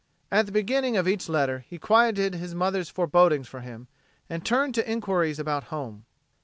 At the beginning of each letter he quieted his mother's forebodings for him, and he turned to inquiries about home.